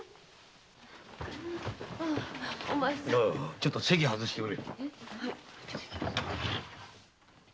ちょっと席を外してくれ。